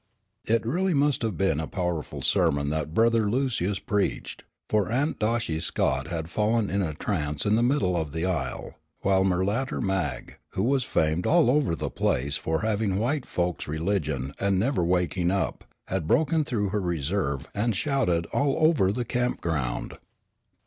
It really must have been a powerful sermon that Brother Lucius preached, for Aunt Doshy Scott had fallen in a trance in the middle of the aisle, while "Merlatter Mag," who was famed all over the place for having white folk's religion and never "waking up," had broken through her reserve and shouted all over the camp ground.